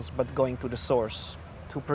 tapi mengikuti alam sekitar